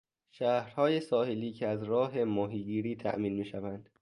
شهرهای ساحلی که از راه ماهیگیری تامین میشوند